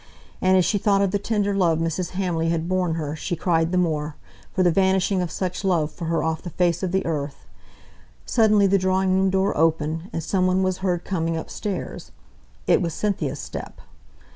And as she thought of the tender love Mrs. Hamley had borne her she cried the more, for the vanishing of such love for her off the face of the earth. Suddenly the drawing room door opened, and some one was heard coming upstairs; it was Cynthia's step.